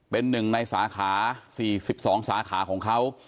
เป็นหนึ่งในสาขา๔๒สาขาของเขา